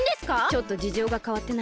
ちょっとじじょうがかわってな。